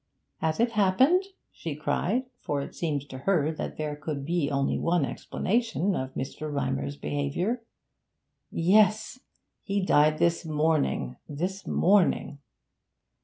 'Has it happened?' she cried for it seemed to her that there could be only one explanation of Mr. Rymer's behaviour. 'Yes! He died this morning this morning!'